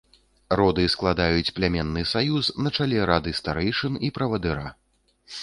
Роды складаюць племянны саюз на чале рады старэйшын і правадыра.